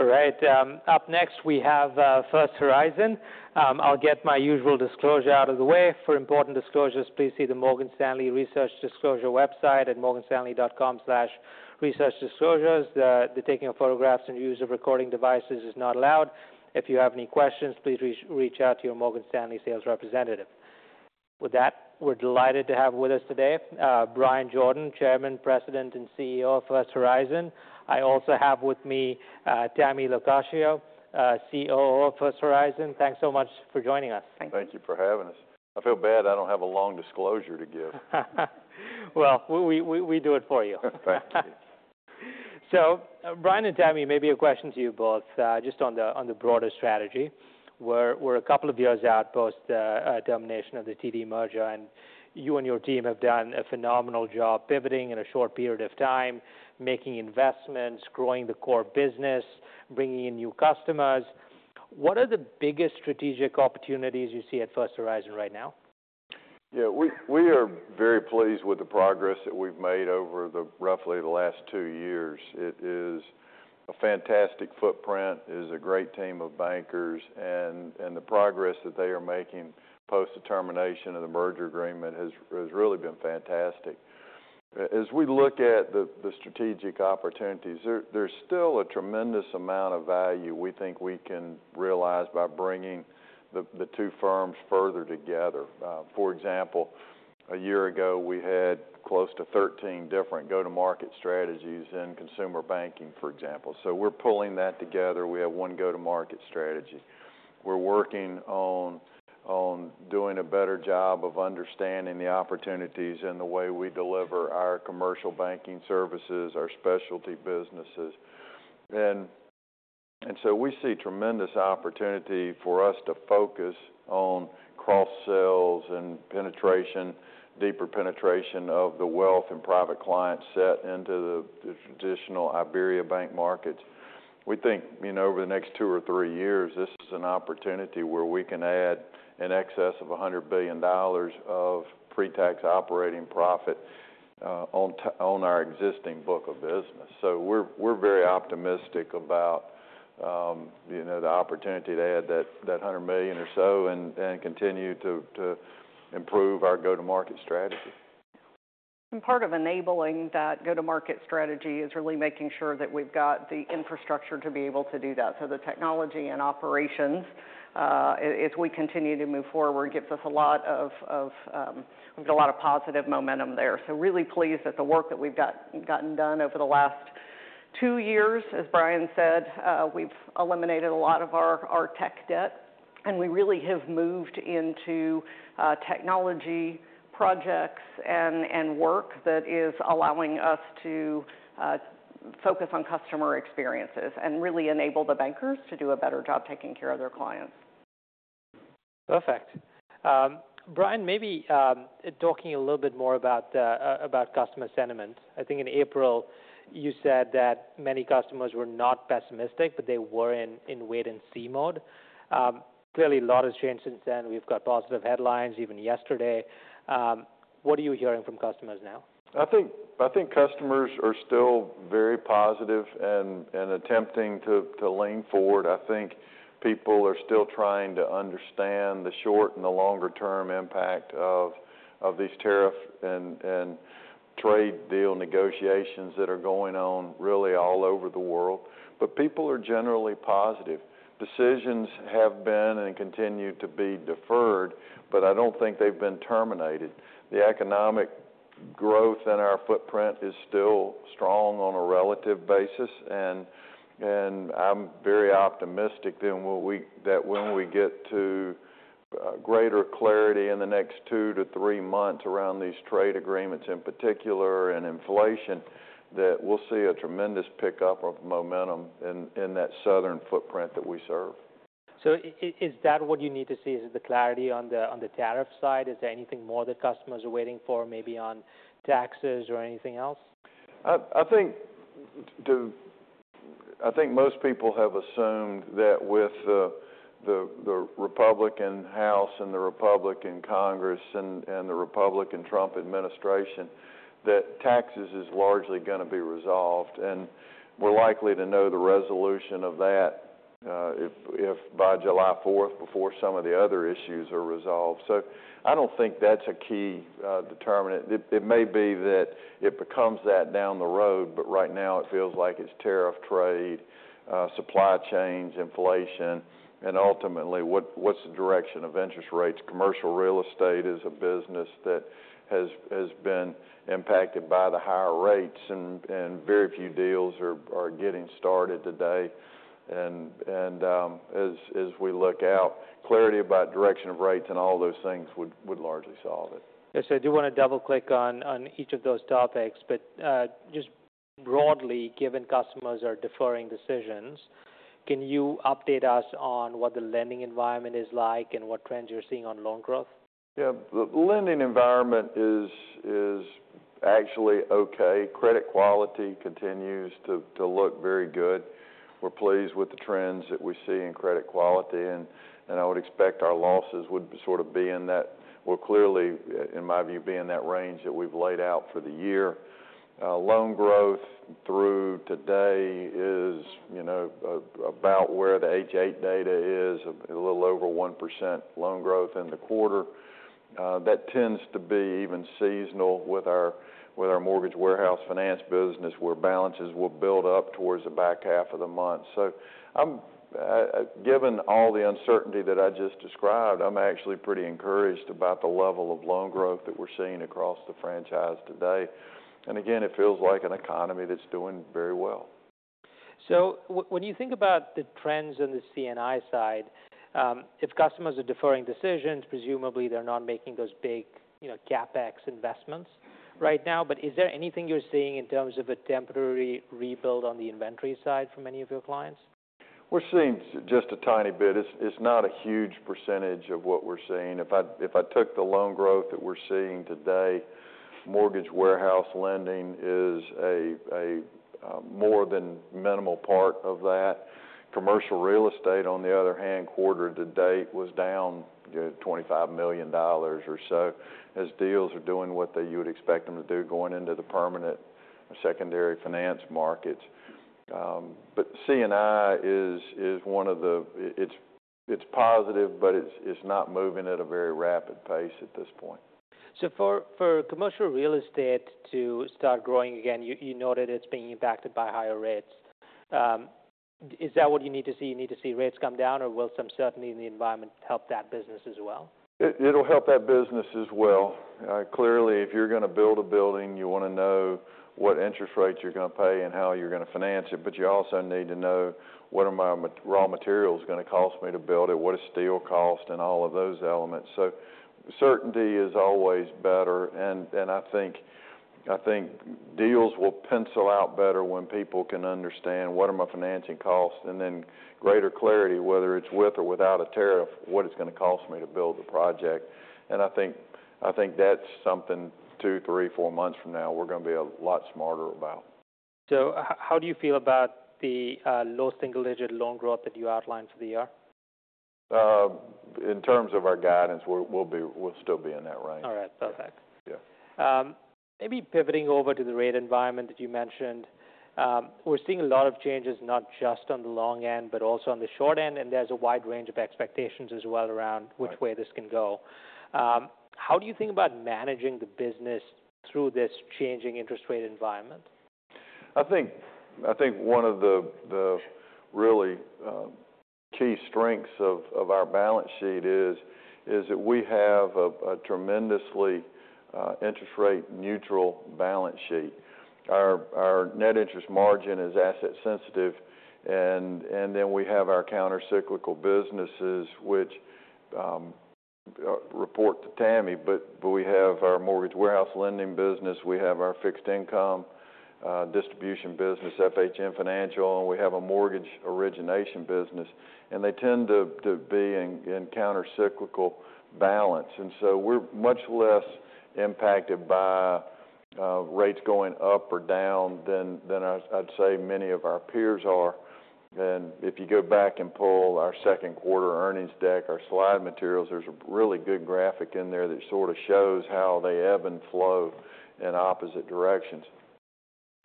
All right. Up next, we have First Horizon. I'll get my usual disclosure out of the way. For important disclosures, please see the Morgan Stanley Research Disclosure website at morganstanley.com/researchdisclosures. The taking of photographs and use of recording devices is not allowed. If you have any questions, please reach out to your Morgan Stanley sales representative. With that, we're delighted to have with us today Bryan Jordan, Chairman, President, and CEO of First Horizon. I also have with me Tammy LoCascio, COO of First Horizon. Thanks so much for joining us. Thank you for having us. I feel bad I do not have a long disclosure to give. We do it for you. Thank you. Bryan and Tammy, maybe a question to you both just on the broader strategy. We're a couple of years out post-termination of the TD merger, and you and your team have done a phenomenal job pivoting in a short period of time, making investments, growing the core business, bringing in new customers. What are the biggest strategic opportunities you see at First Horizon right now? Yeah, we are very pleased with the progress that we've made over roughly the last two years. It is a fantastic footprint. It is a great team of bankers. The progress that they are making post-termination of the merger agreement has really been fantastic. As we look at the strategic opportunities, there's still a tremendous amount of value we think we can realize by bringing the two firms further together. For example, a year ago, we had close to 13 different go-to-market strategies in consumer banking, for example. We're pulling that together. We have one go-to-market strategy. We're working on doing a better job of understanding the opportunities and the way we deliver our commercial banking services, our specialty businesses. We see tremendous opportunity for us to focus on cross-sales and deeper penetration of the wealth and private client set into the traditional IBERIABANK markets. We think over the next two or three years, this is an opportunity where we can add in excess of $100 million of pre-tax operating profit on our existing book of business. So we're very optimistic about the opportunity to add that $100 million or so and continue to improve our go-to-market strategy. Part of enabling that go-to-market strategy is really making sure that we've got the infrastructure to be able to do that. So the technology and operations, as we continue to move forward, gives us a lot of positive momentum there. So really pleased that the work that we've gotten done over the last two years, as Bryan said, we've eliminated a lot of our tech debt. We really have moved into technology projects and work that is allowing us to focus on customer experiences and really enable the bankers to do a better job taking care of their clients. Perfect. Bryan, maybe talking a little bit more about customer sentiment. I think in April, you said that many customers were not pessimistic, but they were in wait-and-see mode. Clearly, a lot has changed since then. We've got positive headlines even yesterday. What are you hearing from customers now? I think customers are still very positive and attempting to lean forward. I think people are still trying to understand the short and the longer-term impact of these tariff and trade deal negotiations that are going on really all over the world. People are generally positive. Decisions have been and continue to be deferred, but I don't think they've been terminated. The economic growth and our footprint is still strong on a relative basis. And I'm very optimistic that when we get to greater clarity in the next two to three months around these trade agreements in particular and inflation, that we'll see a tremendous pickup of momentum in that southern footprint that we serve. So is that what you need to see is the clarity on the tariff side? Is there anything more that customers are waiting for, maybe on taxes or anything else? I think most people have assumed that with the Republican House and the Republican Congress and the Republican Trump administration, that taxes is largely going to be resolved. We're likely to know the resolution of that by July 4th before some of the other issues are resolved. I don't think that's a key determinant. It may be that it becomes that down the road, but right now, it feels like it's tariff, trade, supply chains, inflation, and ultimately, what's the direction of interest rates? Commercial real estate is a business that has been impacted by the higher rates, and very few deals are getting started today. As we look out, clarity about direction of rates and all those things would largely solve it. Yes, I do want to double-click on each of those topics. But just broadly, given customers are deferring decisions, can you update us on what the lending environment is like and what trends you're seeing on loan growth? Yeah, the lending environment is actually okay. Credit quality continues to look very good. We're pleased with the trends that we see in credit quality. I would expect our losses would sort of be in that, well, clearly, in my view, be in that range that we've laid out for the year. Loan growth through today is about where the H.8 data is, a little over 1% loan growth in the quarter. That tends to be even seasonal with our mortgage warehouse finance business, where balances will build up towards the back half of the month. Given all the uncertainty that I just described, I'm actually pretty encouraged about the level of loan growth that we're seeing across the franchise today. Again, it feels like an economy that's doing very well. So when you think about the trends on the C&I side, if customers are deferring decisions, presumably, they're not making those big CapEx investments right now. But is there anything you're seeing in terms of a temporary rebuild on the inventory side from any of your clients? We're seeing just a tiny bit. It's not a huge percentage of what we're seeing. If I took the loan growth that we're seeing today, mortgage warehouse lending is a more than minimal part of that. Commercial real estate, on the other hand, quarter to date was down $25 million or so, as deals are doing what you would expect them to do going into the permanent secondary finance markets. But C&I is one of the, it's positive, but it's not moving at a very rapid pace at this point. For commercial real estate to start growing again, you noted it's being impacted by higher rates. Is that what you need to see? You need to see rates come down, or will some certainty in the environment help that business as well? It'll help that business as well. Clearly, if you're going to build a building, you want to know what interest rates you're going to pay and how you're going to finance it. But you also need to know what are my raw materials going to cost me to build it, what does steel cost, and all of those elements. So certainty is always better. And I think deals will pencil out better when people can understand what are my financing costs and then greater clarity, whether it's with or without a tariff, what it's going to cost me to build the project. And I think that's something two, three, four months from now we're going to be a lot smarter about. How do you feel about the low single-digit loan growth that you outlined for the year? In terms of our guidance, we'll still be in that range. All right. Perfect. Maybe pivoting over to the rate environment that you mentioned, we're seeing a lot of changes not just on the long end, but also on the short end. And there's a wide range of expectations as well around which way this can go. How do you think about managing the business through this changing interest rate environment? I think one of the really key strengths of our balance sheet is that we have a tremendously interest rate-neutral balance sheet. Our net interest margin is asset-sensitive. And then we have our countercyclical businesses, which report to Tammy. But we have our mortgage warehouse lending business. We have our fixed income distribution business, FHM Financial. And we have a mortgage origination business. And they tend to be in countercyclical balance. And so we're much less impacted by rates going up or down than I'd say many of our peers are. And if you go back and pull our second quarter earnings deck, our slide materials, there's a really good graphic in there that sort of shows how they ebb and flow in opposite directions.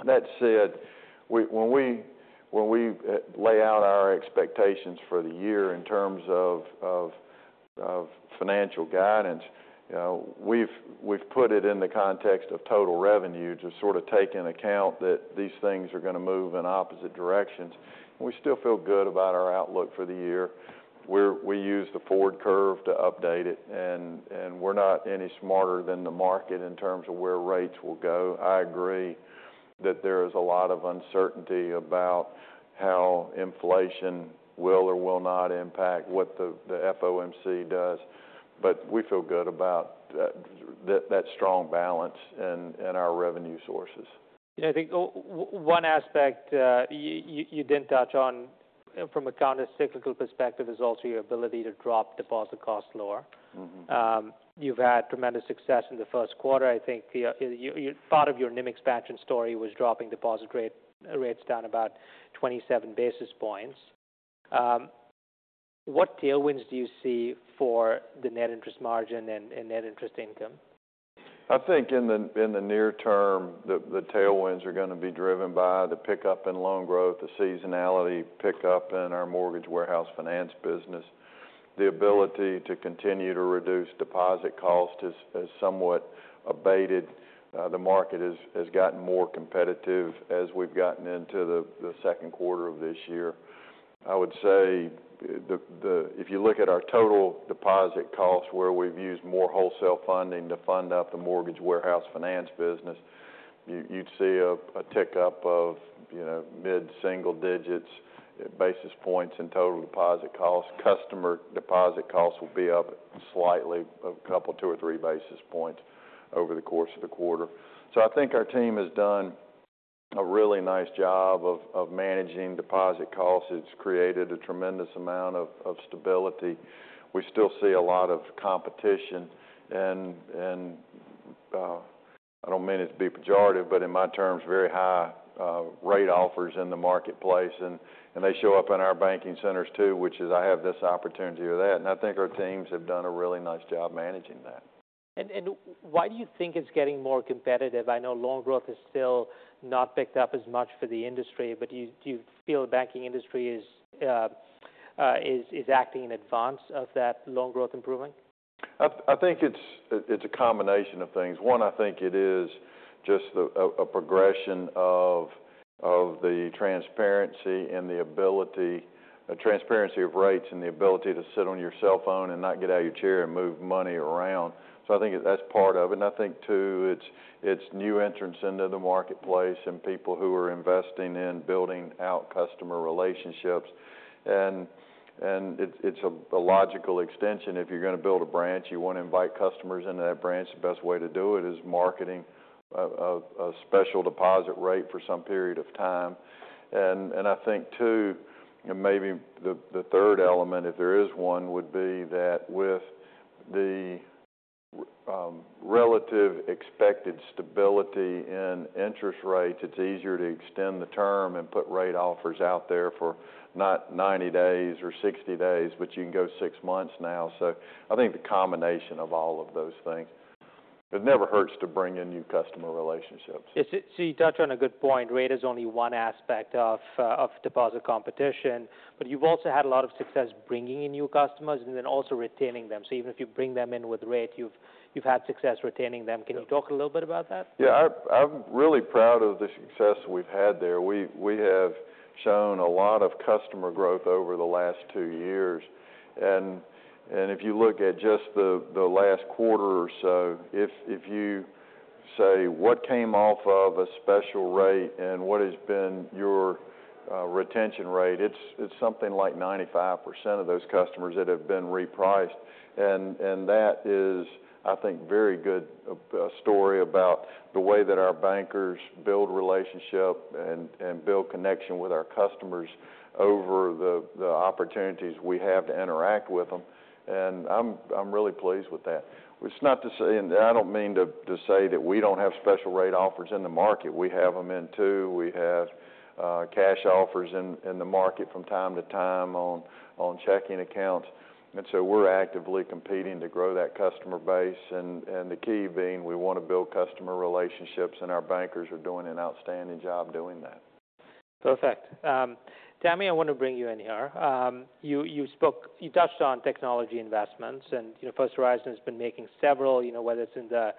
That said, when we lay out our expectations for the year in terms of financial guidance, we've put it in the context of total revenue to sort of take into account that these things are going to move in opposite directions. We still feel good about our outlook for the year. We use the Ford curve to update it. And we're not any smarter than the market in terms of where rates will go. I agree that there is a lot of uncertainty about how inflation will or will not impact what the FOMC does. But we feel good about that strong balance in our revenue sources. Yeah, I think one aspect you didn't touch on from a countercyclical perspective is also your ability to drop deposit costs lower. You've had tremendous success in the first quarter. I think part of your NIM expansion story was dropping deposit rates down about 27 basis points. What tailwinds do you see for the net interest margin and net interest income? I think in the near term, the tailwinds are going to be driven by the pickup in loan growth, the seasonality pickup in our mortgage warehouse finance business. The ability to continue to reduce deposit costs has somewhat abated. The market has gotten more competitive as we've gotten into the second quarter of this year. I would say if you look at our total deposit costs, where we've used more wholesale funding to fund up the mortgage warehouse finance business, you'd see a tick up of mid-single digits basis points in total deposit costs. Customer deposit costs will be up slightly, a couple, two or three basis points over the course of the quarter. So I think our team has done a really nice job of managing deposit costs. It's created a tremendous amount of stability. We still see a lot of competition. And I don't mean it to be pejorative, but in my terms, very high rate offers in the marketplace. And they show up in our banking centers too, which is, "I have this opportunity or that." And I think our teams have done a really nice job managing that. And why do you think it's getting more competitive? I know loan growth has still not picked up as much for the industry. But do you feel the banking industry is acting in advance of that loan growth improving? I think it's a combination of things. One, I think it is just a progression of the transparency and the ability, transparency of rates and the ability to sit on your cell phone and not get out of your chair and move money around. So I think that's part of it. And I think too, it's new entrants into the marketplace and people who are investing in building out customer relationships. And it's a logical extension. If you're going to build a branch, you want to invite customers into that branch. The best way to do it is marketing a special deposit rate for some period of time. And I think too, maybe the third element, if there is one, would be that with the relative expected stability in interest rates, it's easier to extend the term and put rate offers out there for not 90 days or 60 days, but you can go six months now. So I think the combination of all of those things. It never hurts to bring in new customer relationships. So you touched on a good point. Rate is only one aspect of deposit competition. But you've also had a lot of success bringing in new customers and then also retaining them. So even if you bring them in with rate, you've had success retaining them. Can you talk a little bit about that? Yeah, I'm really proud of the success we've had there. We have shown a lot of customer growth over the last two years. And if you look at just the last quarter or so, if you say, "What came off of a special rate and what has been your retention rate?" it's something like 95% of those customers that have been repriced. And that is, I think, a very good story about the way that our bankers build relationship and build connection with our customers over the opportunities we have to interact with them. And I'm really pleased with that. It's not to say, and I don't mean to say that we don't have special rate offers in the market. We have them in too. We have cash offers in the market from time to time on checking accounts. And so we're actively competing to grow that customer base. The key being, we want to build customer relationships. Our bankers are doing an outstanding job doing that. Perfect. Tammy, I want to bring you in here. You touched on technology investments. First Horizon has been making several, whether it's in the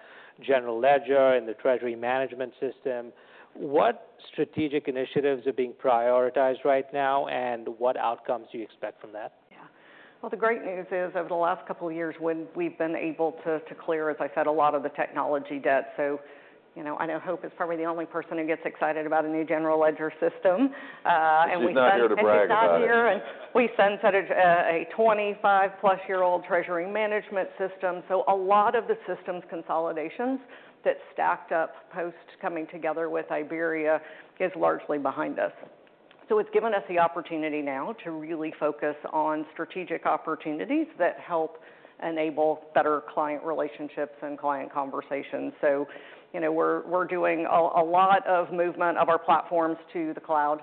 general ledger and the treasury management system. What strategic initiatives are being prioritized right now, and what outcomes do you expect from that? Yeah. Well, the great news is over the last couple of years, we've been able to clear, as I said, a lot of the technology debt. So I know Hope is probably the only person who gets excited about a new general ledger system. She's not here to brag about it. And we censored a 25+ year-old treasury management system. So a lot of the systems consolidations that stacked up post coming together with Iberia is largely behind us. So it's given us the opportunity now to really focus on strategic opportunities that help enable better client relationships and client conversations. So we're doing a lot of movement of our platforms to the cloud,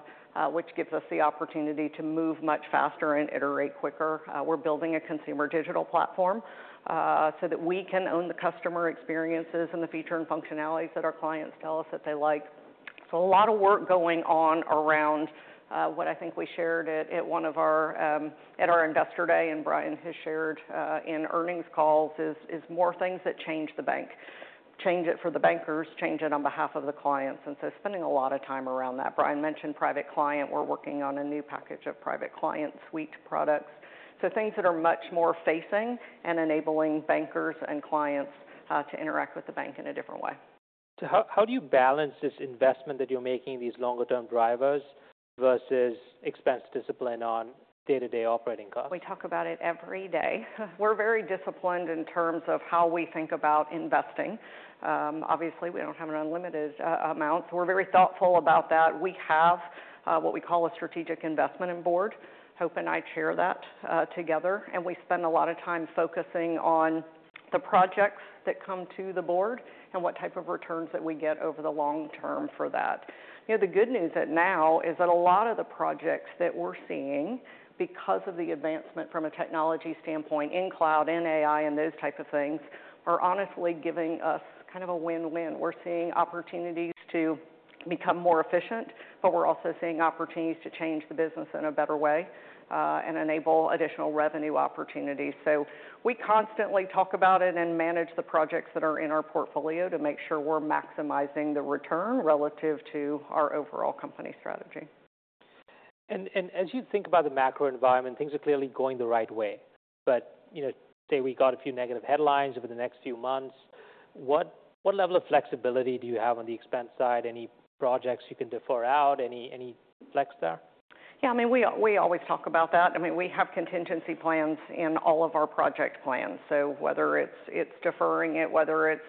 which gives us the opportunity to move much faster and iterate quicker. We're building a consumer digital platform so that we can own the customer experiences and the feature and functionalities that our clients tell us that they like. So a lot of work going on around what I think we shared at one of our at our investor day, and Bryan has shared in earnings calls, is more things that change the bank, change it for the bankers, change it on behalf of the clients. And so spending a lot of time around that. Bryan mentioned private client. We're working on a new package of private client suite products. So things that are much more facing and enabling bankers and clients to interact with the bank in a different way. So how do you balance this investment that you're making, these longer-term drivers versus expense discipline on day-to-day operating costs? We talk about it every day. We're very disciplined in terms of how we think about investing. Obviously, we don't have an unlimited amount. So we're very thoughtful about that. We have what we call a strategic investment in board. Hope and I share that together. And we spend a lot of time focusing on the projects that come to the board and what type of returns that we get over the long term for that. The good news now is that a lot of the projects that we're seeing because of the advancement from a technology standpoint in cloud and AI and those types of things are honestly giving us kind of a win-win. We're seeing opportunities to become more efficient, but we're also seeing opportunities to change the business in a better way and enable additional revenue opportunities. So we constantly talk about it and manage the projects that are in our portfolio to make sure we're maximizing the return relative to our overall company strategy. And as you think about the macro environment, things are clearly going the right way. But say we got a few negative headlines over the next few months. What level of flexibility do you have on the expense side? Any projects you can defer out? Any flex there? Yeah, I mean, we always talk about that. I mean, we have contingency plans in all of our project plans. So whether it's deferring it, whether it's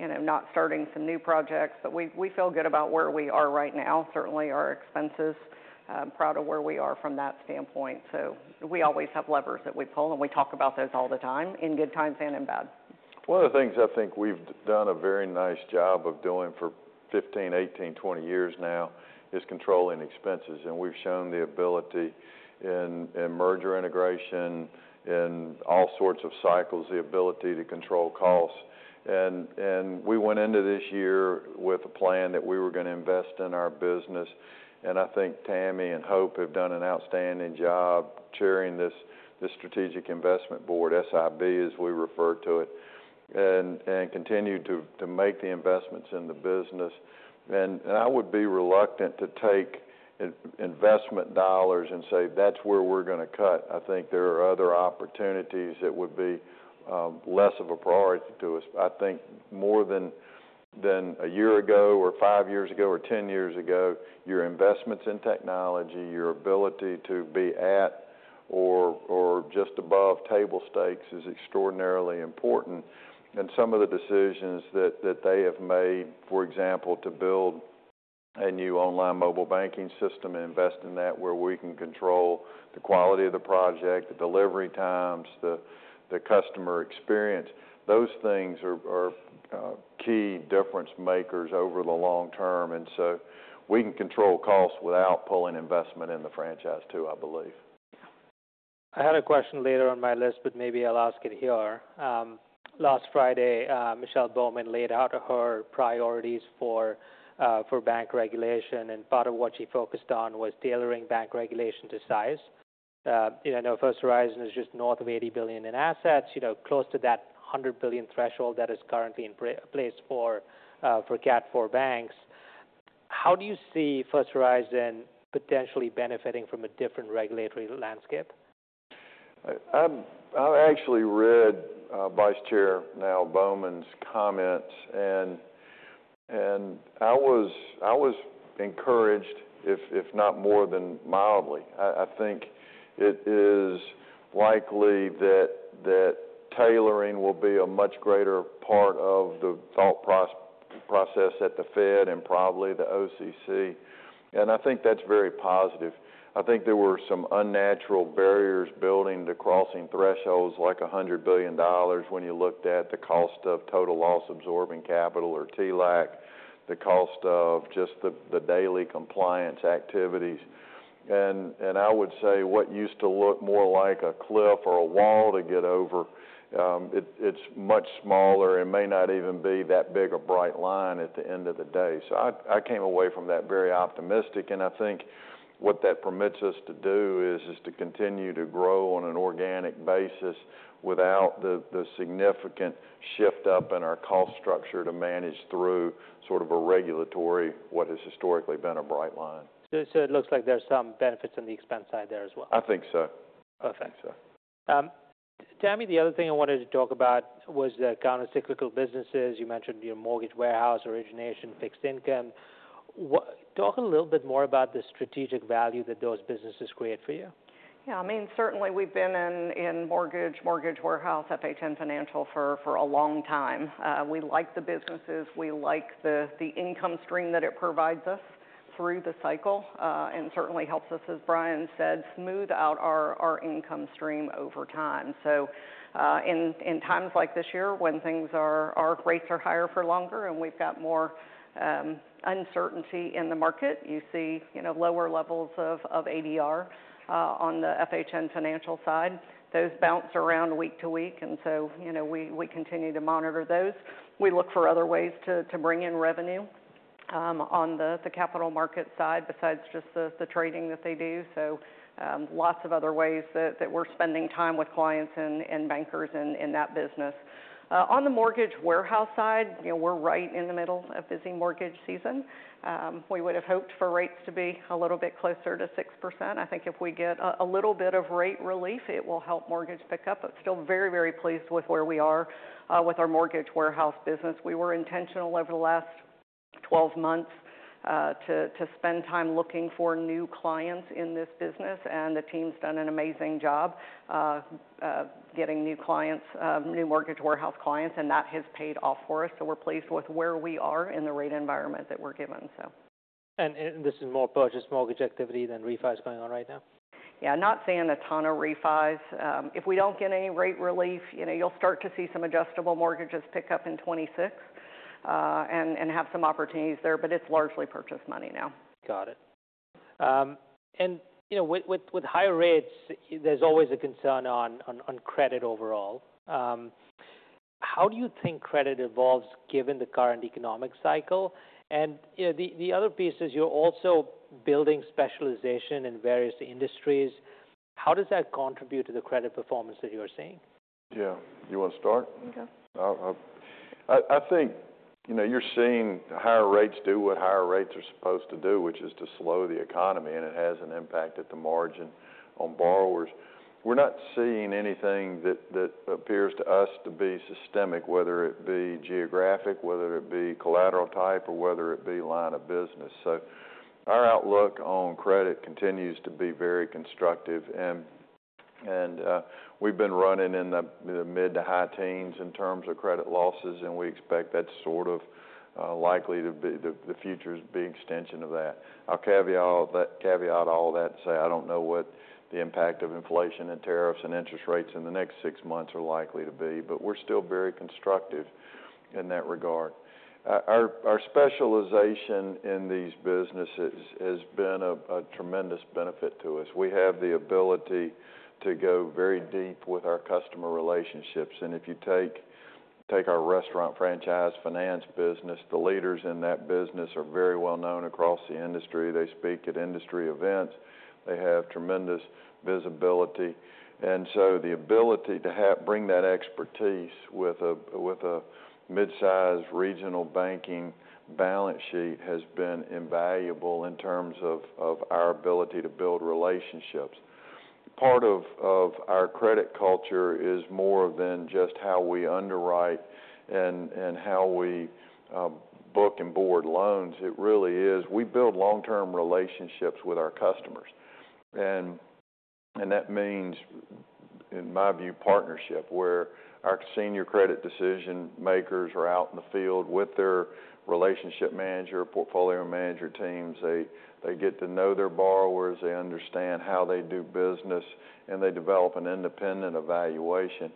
not starting some new projects. But we feel good about where we are right now, certainly our expenses. Proud of where we are from that standpoint. So we always have levers that we pull. And we talk about those all the time in good times and in bad. One of the things I think we've done a very nice job of doing for 15, 18, 20 years now is controlling expenses. And we've shown the ability in merger integration, in all sorts of cycles, the ability to control costs. And we went into this year with a plan that we were going to invest in our business. And I think Tammy and Hope have done an outstanding job chairing this strategic investment board, SIB as we refer to it, and continue to make the investments in the business. And I would be reluctant to take investment dollars and say, "That's where we're going to cut." I think there are other opportunities that would be less of a priority to us. I think more than a year ago or five years ago or 10 years ago, your investments in technology, your ability to be at or just above table stakes is extraordinarily important. And some of the decisions that they have made, for example, to build a new online mobile banking system and invest in that where we can control the quality of the project, the delivery times, the customer experience, those things are key difference makers over the long term. And so we can control costs without pulling investment in the franchise too, I believe. I had a question later on my list, but maybe I'll ask it here. Last Friday, Michelle Bowman laid out her priorities for bank regulation. And part of what she focused on was tailoring bank regulation to size. First Horizon is just north of $80 billion in assets, close to that $100 billion threshold that is currently in place for CAT 4 banks. How do you see First Horizon potentially benefiting from a different regulatory landscape? I actually read Vice Chair Nal Bowman's comments. And I was encouraged, if not more than mildly. I think it is likely that tailoring will be a much greater part of the thought process at the Fed and probably the OCC. And I think that's very positive. I think there were some unnatural barriers building to crossing thresholds like $100 billion when you looked at the cost of total loss absorbing capital or TLAC, the cost of just the daily compliance activities. And I would say what used to look more like a cliff or a wall to get over, it's much smaller. It may not even be that big a bright line at the end of the day. So I came away from that very optimistic. And I think what that permits us to do is to continue to grow on an organic basis without the significant shift up in our cost structure to manage through sort of a regulatory, what has historically been a bright line. So it looks like there's some benefits on the expense side there as well. I think so. Perfect. Tammy, the other thing I wanted to talk about was the countercyclical businesses. You mentioned your mortgage warehouse, origination, fixed income. Talk a little bit more about the strategic value that those businesses create for you. Yeah, I mean, certainly we've been in mortgage, mortgage warehouse, FHM Financial for a long time. We like the businesses. We like the income stream that it provides us through the cycle and certainly helps us, as Bryan said, smooth out our income stream over time. So in times like this year when things are our rates are higher for longer and we've got more uncertainty in the market, you see lower levels of ADR on the FHM Financial side. Those bounce around week to week. And so we continue to monitor those. We look for other ways to bring in revenue on the capital market side besides just the trading that they do. So lots of other ways that we're spending time with clients and bankers in that business. On the mortgage warehouse side, we're right in the middle of busy mortgage season. We would have hoped for rates to be a little bit closer to 6%. I think if we get a little bit of rate relief, it will help mortgage pick up. But still very, very pleased with where we are with our mortgage warehouse business. We were intentional over the last 12 months to spend time looking for new clients in this business. And the team's done an amazing job getting new clients, new mortgage warehouse clients. And that has paid off for us. So we're pleased with where we are in the rate environment that we're given, so. And this is more purchase mortgage activity than refis going on right now? Yeah, not seeing a ton of refis. If we don't get any rate relief, you'll start to see some adjustable mortgages pick up in 2026 and have some opportunities there. But it's largely purchase money now. Got it. And with higher rates, there's always a concern on credit overall. How do you think credit evolves given the current economic cycle? And the other piece is you're also building specialization in various industries. How does that contribute to the credit performance that you're seeing? Yeah. You want to start? You go. I think you're seeing higher rates do what higher rates are supposed to do, which is to slow the economy. And it has an impact at the margin on borrowers. We're not seeing anything that appears to us to be systemic, whether it be geographic, whether it be collateral type, or whether it be line of business. So our outlook on credit continues to be very constructive. And we've been running in the mid to high teens in terms of credit losses. And we expect that's sort of likely to be the future's big extension of that. I'll caveat all that and say I don't know what the impact of inflation and tariffs and interest rates in the next six months are likely to be. But we're still very constructive in that regard. Our specialization in these businesses has been a tremendous benefit to us. We have the ability to go very deep with our customer relationships. And if you take our restaurant franchise finance business, the leaders in that business are very well known across the industry. They speak at industry events. They have tremendous visibility. And so the ability to bring that expertise with a mid-sized regional banking balance sheet has been invaluable in terms of our ability to build relationships. Part of our credit culture is more than just how we underwrite and how we book and board loans. It really is we build long-term relationships with our customers. And that means, in my view, partnership where our senior credit decision makers are out in the field with their relationship manager, portfolio manager teams. They get to know their borrowers. They understand how they do business. And they develop an independent evaluation.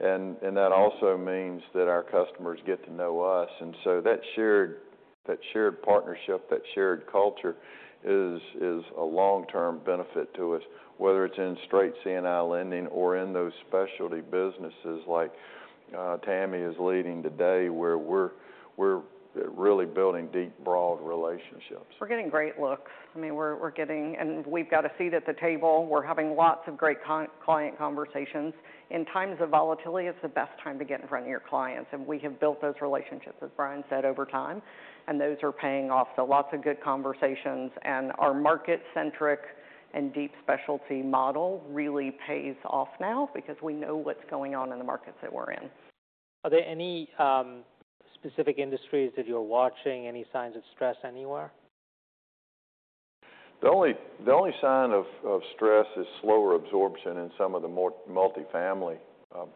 And that also means that our customers get to know us. And so that shared partnership, that shared culture is a long-term benefit to us, whether it's in straight C&I lending or in those specialty businesses like Tammy is leading today where we're really building deep, broad relationships. We're getting great looks. I mean, we're getting and we've got a seat at the table. We're having lots of great client conversations. In times of volatility, it's the best time to get in front of your clients. And we have built those relationships, as Bryan said, over time. And those are paying off. So lots of good conversations. And our market-centric and deep specialty model really pays off now because we know what's going on in the markets that we're in. Are there any specific industries that you're watching, any signs of stress anywhere? The only sign of stress is slower absorption in some of the multifamily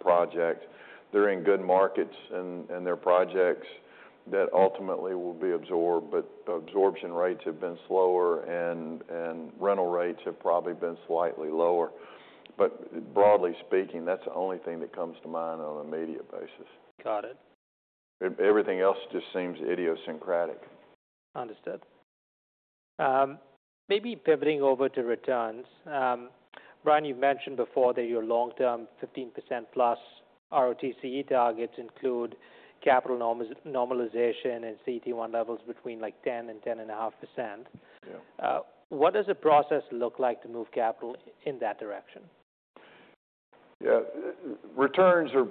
projects. They're in good markets and their projects that ultimately will be absorbed, but absorption rates have been slower, and rental rates have probably been slightly lower, but broadly speaking, that's the only thing that comes to mind on an immediate basis. Got it. Everything else just seems idiosyncratic. Understood. Maybe pivoting over to returns. Bryan, you've mentioned before that your long-term 15+% ROTC targets include capital normalization and CT1 levels between like 10% and 10.5%. What does the process look like to move capital in that direction? Yeah. Returns are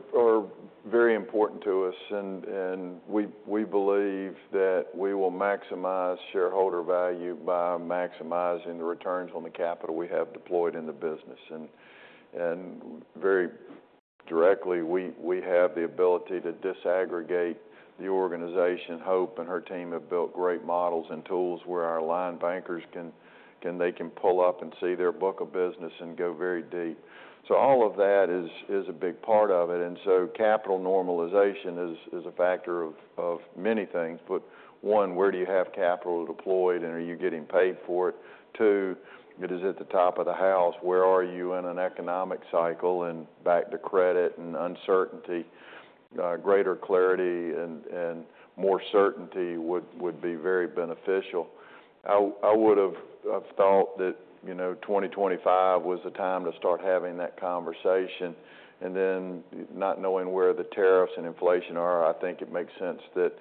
very important to us. And we believe that we will maximize shareholder value by maximizing the returns on the capital we have deployed in the business. And very directly, we have the ability to disaggregate the organization. Hope and her team have built great models and tools where our line bankers can they can pull up and see their book of business and go very deep. So all of that is a big part of it. And so capital normalization is a factor of many things. But one, where do you have capital deployed? And are you getting paid for it? Two, it is at the top of the house. Where are you in an economic cycle and back to credit and uncertainty? Greater clarity and more certainty would be very beneficial. I would have thought that 2025 was the time to start having that conversation. And then, not knowing where the tariffs and inflation are, I think it makes sense that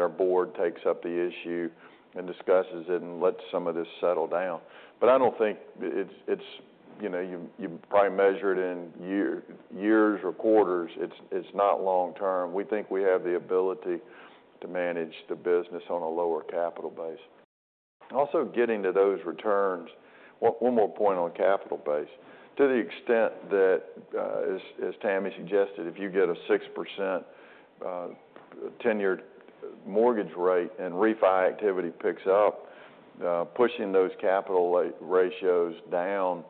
our board takes up the issue and discusses it and lets some of this settle down. But I don't think it's. You probably measure it in years or quarters. It's not long term. We think we have the ability to manage the business on a lower capital base. Also getting to those returns, one more point on capital base. To the extent that, as Tammy suggested, if you get a 6% 10-year mortgage rate and refi activity picks up, pushing those capital ratios down,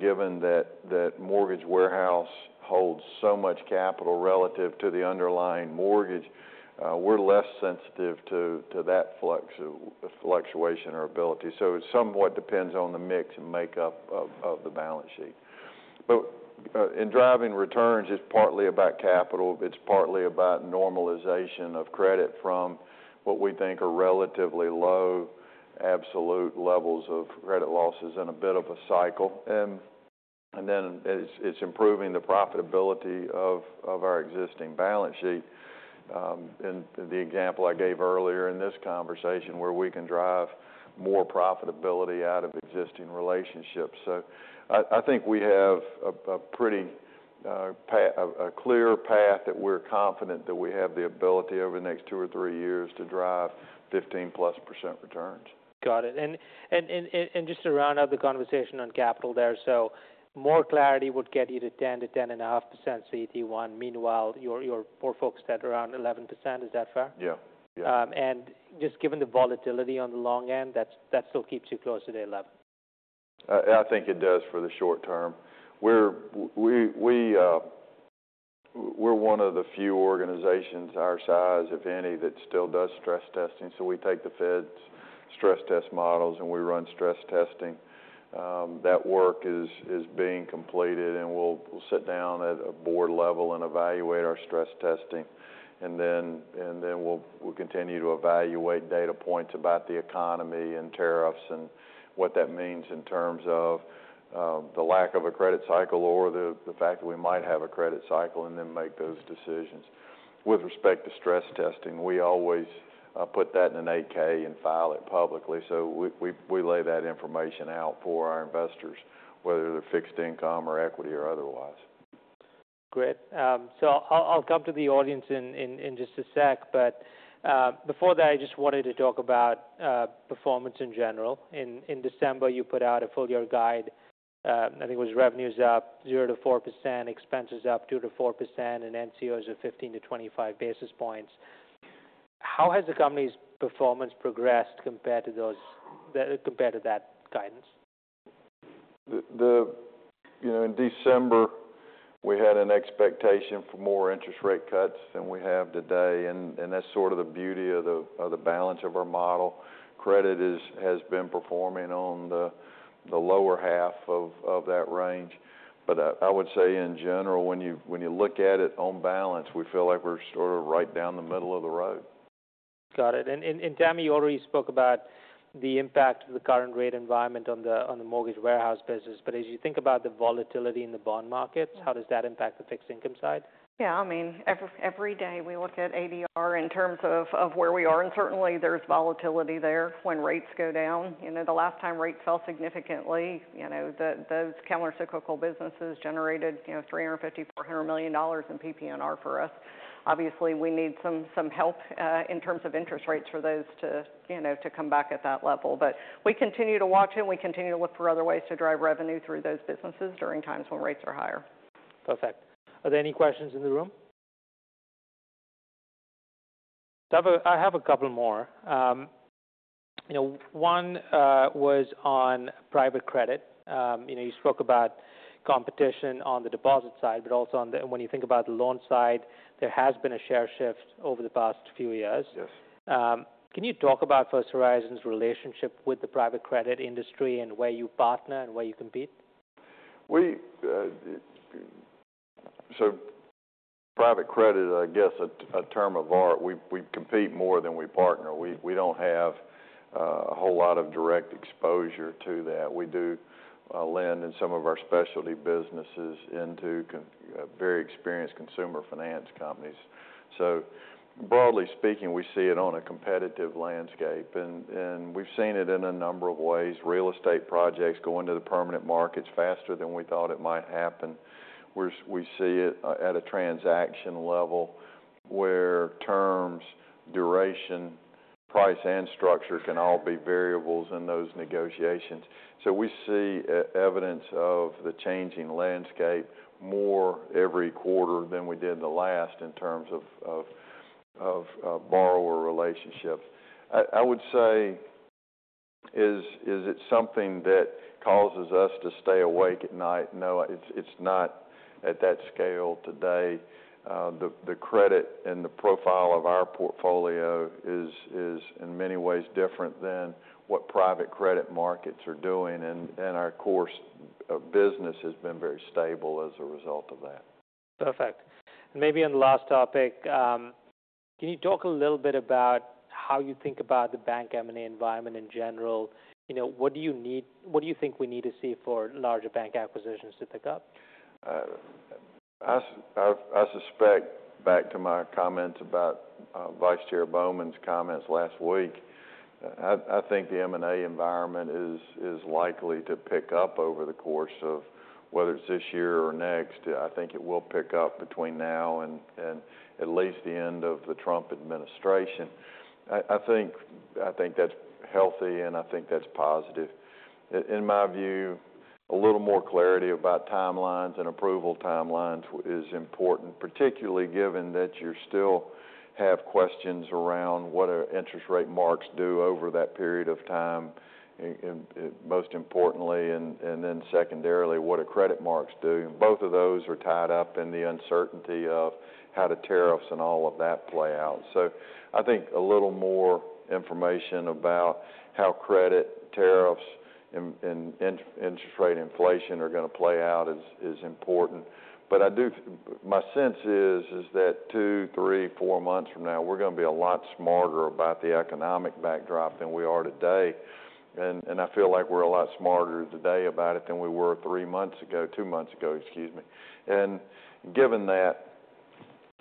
given that mortgage warehouse holds so much capital relative to the underlying mortgage, we're less sensitive to that fluctuation or ability. So it somewhat depends on the mix and makeup of the balance sheet. But in driving returns, it's partly about capital. It's partly about normalization of credit from what we think are relatively low absolute levels of credit losses and a bit of a cycle. And then it's improving the profitability of our existing balance sheet. And the example I gave earlier in this conversation where we can drive more profitability out of existing relationships. So I think we have a pretty clear path that we're confident that we have the ability over the next two or three years to drive 15%+ returns. Got it. And just to round out the conversation on capital there, so more clarity would get you to 10%-10.5% CT1. Meanwhile, you're more focused at around 11%. Is that fair? Yeah. Yeah. And just given the volatility on the long end, that still keeps you close to the 11%? I think it does for the short term. We're one of the few organizations our size, if any, that still does stress testing. So we take the Fed's stress test models and we run stress testing. That work is being completed. And we'll sit down at a board level and evaluate our stress testing. And then we'll continue to evaluate data points about the economy and tariffs and what that means in terms of the lack of a credit cycle or the fact that we might have a credit cycle and then make those decisions. With respect to stress testing, we always put that in an AK and file it publicly. So we lay that information out for our investors, whether they're fixed income or equity or otherwise. Great. So I'll come to the audience in just a sec. But before that, I just wanted to talk about performance in general. In December, you put out a full year guide. I think it was revenues up 0%-4%, expenses up 2%-4%, and NCOs are 15 basis points-25 basis points. How has the company's performance progressed compared to that guidance? In December, we had an expectation for more interest rate cuts than we have today. And that's sort of the beauty of the balance of our model. Credit has been performing on the lower half of that range. But I would say in general, when you look at it on balance, we feel like we're sort of right down the middle of the road. Got it. Tammy, you already spoke about the impact of the current rate environment on the mortgage warehouse business. As you think about the volatility in the bond markets, how does that impact the fixed income side? Yeah. I mean, every day we look at ADR in terms of where we are. And certainly, there's volatility there when rates go down. The last time rates fell significantly, those countercyclical businesses generated $350 million-$400 million in PP&R for us. Obviously, we need some help in terms of interest rates for those to come back at that level. But we continue to watch it. We continue to look for other ways to drive revenue through those businesses during times when rates are higher. Perfect. Are there any questions in the room? I have a couple more. One was on private credit. You spoke about competition on the deposit side. But also when you think about the loan side, there has been a share shift over the past few years. Can you talk about First Horizon's relationship with the private credit industry and where you partner and where you compete? So private credit, I guess, a term of art. We compete more than we partner. We don't have a whole lot of direct exposure to that. We do lend in some of our specialty businesses into very experienced consumer finance companies. So broadly speaking, we see it on a competitive landscape. And we've seen it in a number of ways. Real estate projects go into the permanent markets faster than we thought it might happen. We see it at a transaction level where terms, duration, price, and structure can all be variables in those negotiations. So we see evidence of the changing landscape more every quarter than we did the last in terms of borrower relationships. I would say, is it something that causes us to stay awake at night? No. It's not at that scale today. The credit and the profile of our portfolio is in many ways different than what private credit markets are doing, and our course of business has been very stable as a result of that. Perfect. Maybe on the last topic, can you talk a little bit about how you think about the bank M&A environment in general? What do you need? What do you think we need to see for larger bank acquisitions to pick up? I suspect back to my comments about Vice Chair Bowman's comments last week. I think the M&A environment is likely to pick up over the course of whether it's this year or next. I think it will pick up between now and at least the end of the Trump administration. I think that's healthy, and I think that's positive. In my view, a little more clarity about timelines and approval timelines is important, particularly given that you still have questions around what interest rate marks do over that period of time, most importantly, and then secondarily what credit marks do. Both of those are tied up in the uncertainty of how the tariffs and all of that play out, so I think a little more information about how credit, tariffs, and interest rate inflation are going to play out is important. But my sense is that two, three, four months from now, we're going to be a lot smarter about the economic backdrop than we are today. And I feel like we're a lot smarter today about it than we were three months ago, two months ago, excuse me. And given that,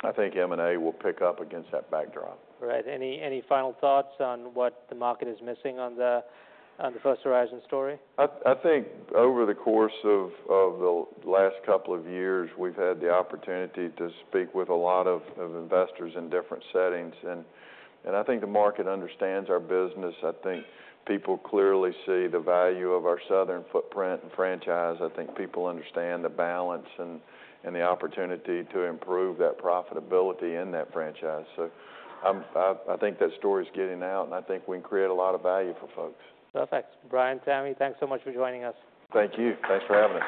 I think M&A will pick up against that backdrop. Right. Any final thoughts on what the market is missing on the First Horizon story? I think over the course of the last couple of years, we've had the opportunity to speak with a lot of investors in different settings. I think the market understands our business. I think people clearly see the value of our Southern footprint and franchise. I think people understand the balance and the opportunity to improve that profitability in that franchise. So I think that story is getting out. I think we can create a lot of value for folks. Perfect. Bryan, Tammy, thanks so much for joining us. Thank you. Thanks for having us.